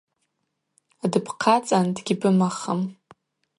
Дбхъацӏан дгьбымахым.